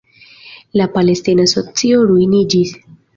La palestina socio ruiniĝis.